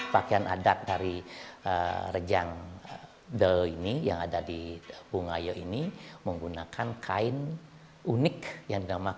pakaian adat dari rejang del ini yang ada di bungayo ini menggunakan kain unik yang dinamakan